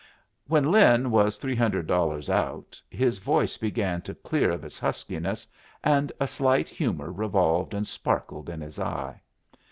When Lin was three hundred dollars out, his voice began to clear of its huskiness and a slight humor revolved and sparkled in his eye.